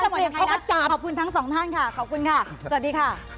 โปรดติดตามตอนต่อไป